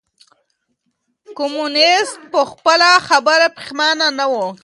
کمونيسټ په خپله خبره پښېمانه نه و.